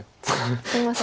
すいません